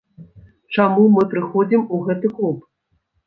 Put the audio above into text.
Чаму мы прыходзім у гэты клуб?